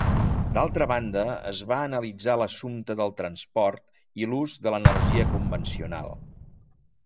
D'altra banda, es va analitzar l'assumpte del transport i l'ús de l'energia convencional.